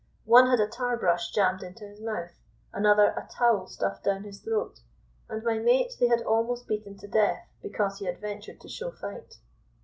One had a tar brush jammed into his mouth, another a towel stuffed down his throat; and my mate they had almost beaten to death because he had ventured to show fight."